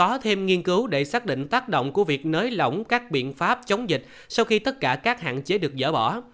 có thêm nghiên cứu để xác định tác động của việc nới lỏng các biện pháp chống dịch sau khi tất cả các hạn chế được dỡ bỏ